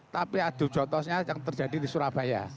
tapi adu jotosnya yang terjadi di surabaya